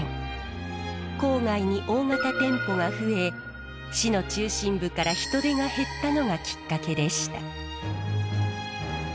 郊外に大型店舗が増え市の中心部から人出が減ったのがきっかけでした。